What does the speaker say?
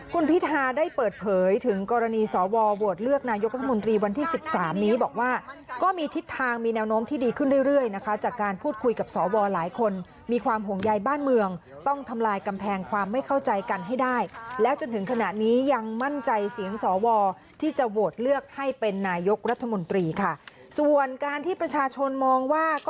คุณพิธาได้เปิดเผยถึงกรณีสวโหวตเลือกนายกรัฐมนตรีวันที่๑๓นี้บอกว่าก็มีทิศทางมีแนวโน้มที่ดีขึ้นเรื่อยนะคะจากการพูดคุยกับสวหลายคนมีความห่วงใยบ้านเมืองต้องทำลายกำแพงความไม่เข้าใจกันให้ได้แล้วจนถึงขณะนี้ยังมั่นใจเสียงสวที่จะโหวตเลือกให้เป็นนายกรัฐมนตรีค่ะส่วนการที่ประชาชนมองว่าก็